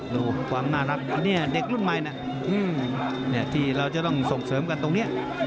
ดูความน่ารักอันนี้เด็กรุ่นใหม่นะที่เราจะต้องส่งเสริมกันตรงนี้